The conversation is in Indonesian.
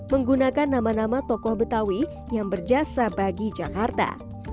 menggunakan nama nama tokoh betawi yang berjasa bagi jakarta